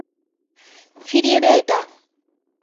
ফিরিয়ে দে এটা!